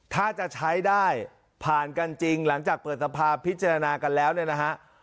ถ้าจะใช้ได้ผ่านกันจริงหลังจากเปิดสภาพิจารณากันแล้วเนี่ยนะฮะ